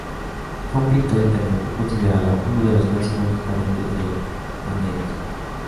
Fue un pintor italiano, considerado uno de los máximos exponentes del manierismo.